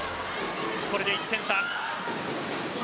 これで１点差。